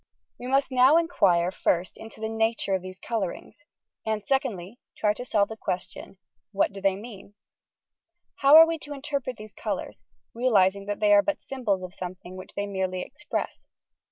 We must now inquire first into the nature of these colourings, and' secondly try to solve the question '' what do they mean V '' How are we to interpret these colours, realizing that they are but sjinbols of something which they merely express?